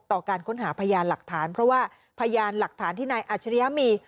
การค้นหาพยานหลักฐานเพราะว่าพยานหลักฐานที่นายอัจฉริยะมี